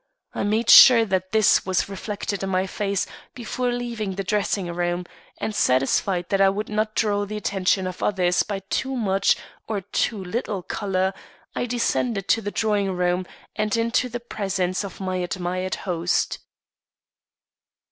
I made sure that this was reflected in my face before leaving the dressing room, and satisfied that I would not draw the attention of others by too much or too little color, I descended to the drawing room and into the presence of my admired host.